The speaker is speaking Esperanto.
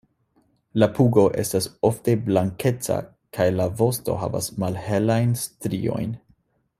La pugo estas ofte blankeca kaj la vosto havas malhelajn striojn.